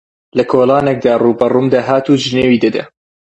لە کۆڵانێکدا ڕووبەڕووم دەهات و جنێوی دەدا